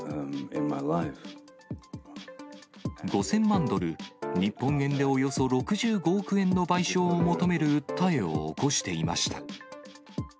５０００万ドル、日本円でおよそ６５億円の賠償を求める訴えを起こしていました。